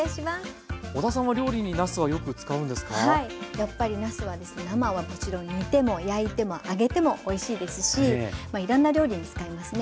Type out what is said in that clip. やっぱりなすは生はもちろん煮ても焼いても揚げてもおいしいですしいろんな料理に使いますね。